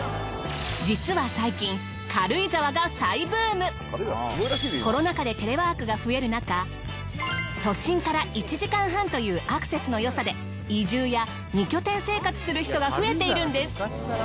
実は最近軽井沢がコロナ禍で都心から１時間半というアクセスのよさで移住や２拠点生活する人が増えているんです。